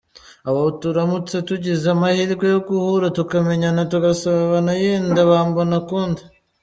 Abo turamutse tugize amahirwe yo guhura, tukamenyana, tugasabana, yenda bambona ukundi.